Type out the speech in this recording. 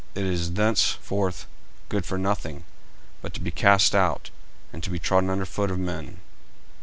it is thenceforth good for nothing, but to be cast out, and to be trodden under foot of men.